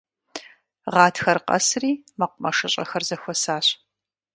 Гъатхэр къэсри мэкъумэшыщӀэхэр зэхуэсащ.